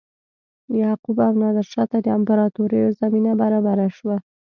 یعقوب او نادرشاه ته د امپراتوریو زمینه برابره شوه.